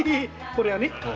これはね